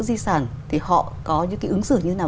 di sản thì họ có những cái ứng xử như thế nào